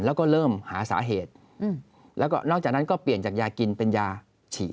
แล้วก็เริ่มหาสาเหตุแล้วก็นอกจากนั้นก็เปลี่ยนจากยากินเป็นยาฉีด